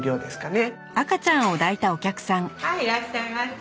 はいいらっしゃいませ。